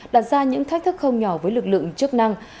đặt ra những thách thức không nhỏ với lực lượng chức năng